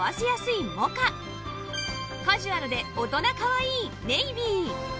カジュアルで大人かわいいネイビー